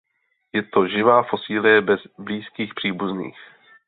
Je to živá fosílie bez blízkých příbuzných.